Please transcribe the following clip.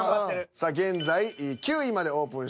さあ現在９位までオープンし